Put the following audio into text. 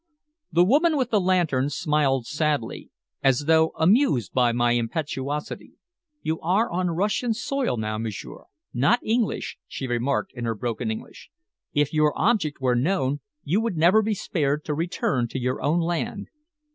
The woman with the lantern smiled sadly, as though amused by my impetuosity. "You are on Russian soil now, m'sieur, not English," she remarked in her broken English. "If your object were known, you would never be spared to return to your own land.